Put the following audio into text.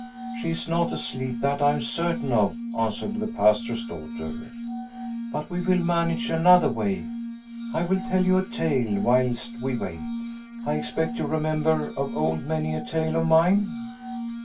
" She is not asleep, that I am certain of," answered the Pastor's daughter. " But we will manage another way. I will tell you a tale whilst we wait. I expect you remember of old many a tale of mine."